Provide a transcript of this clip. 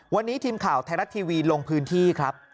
วันนี้ทีมข่าวไทยรัฐทีวีลงพื้นที่ครับ